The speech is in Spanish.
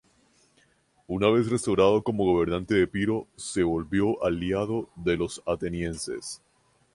Una vez restaurado como gobernante de Epiro, se volvió aliado de los atenienses.